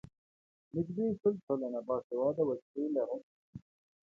نږدې شل سلنه باسواده وګړي یې لرل.